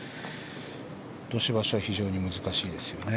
落とし場所は非常に難しいですよね。